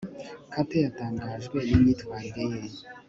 kate yatangajwe n'imyitwarire ye